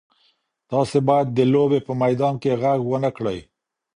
تاسي باید د لوبې په میدان کې غږ ونه کړئ.